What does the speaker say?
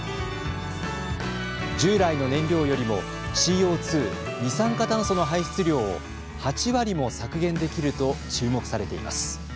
従来の燃料よりも、ＣＯ２二酸化炭素の排出量を８割も削減できると注目されています。